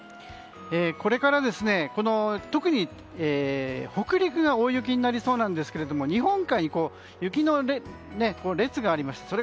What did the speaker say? これから特に北陸が大雪になりそうなんですが日本海に雪の列があります。